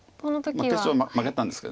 決勝は負けたんですけど。